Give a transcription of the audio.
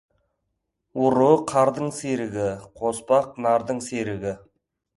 ұры — қардың серігі, қоспақ — нардың серігі.